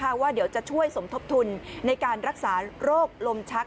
เพราะว่าเดี๋ยวจะช่วยสมทบทุนในการรักษาโรคลมชัก